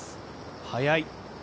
速い。